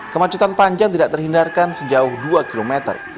kemacetan panjang tidak terhindarkan sejauh dua km